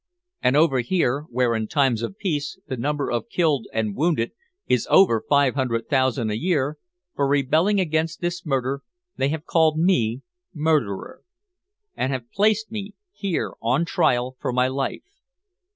And over here where in times of peace the number of killed and wounded is over five hundred thousand a year for rebelling against this murder they have called me murderer and have placed me here on trial for my life.